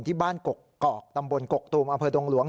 ที่บ้านกกอกตำบลกกตูมอำเภอดงหลวง